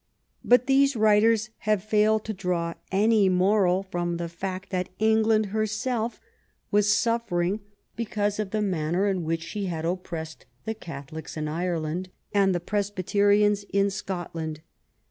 But these writers have failed to draw any moral from the fact that England herself was suffering because of the man 96 ON THE ROUGH EDGE OF BATTLE ner in which she had oppressed the Catholics in Ire land and the Presbvterians in Scotland.